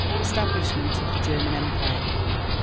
Establishment of the German Empire.